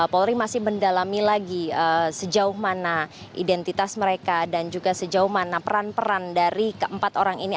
polri masih mendalami lagi sejauh mana identitas mereka dan juga sejauh mana peran peran dari keempat orang ini